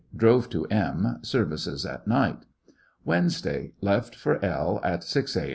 Drove to M . Services at night. Wednesday. Left for L at 6 a.